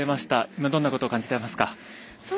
今どんなことを感じてますか。